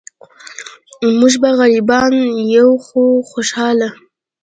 مونږ به غریبان یو خو خوشحاله.